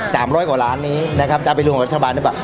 ร้อยกว่าล้านนี้นะครับจะเอาไปรวมรัฐบาลหรือเปล่า